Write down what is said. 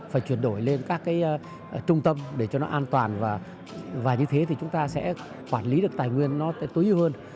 phải chuyển đổi lên các cái trung tâm để cho nó an toàn và như thế thì chúng ta sẽ quản lý được tài nguyên nó tối ưu hơn